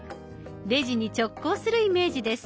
レジに直行するイメージです。